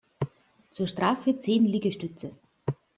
Zur Strafe zehn Liegestütze!